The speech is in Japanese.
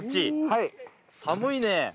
はい寒いね